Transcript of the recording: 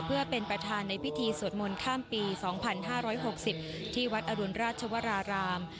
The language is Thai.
เพื่อเป็นประธานในพิธีสวดมนต์ข้ามปี๒๕๖๐ที่วัดอรุณราชวราราม